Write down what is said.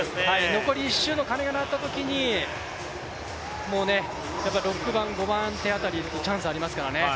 残り１周の鐘が鳴ったときに６番、５番手辺りにチャンスがありますからね。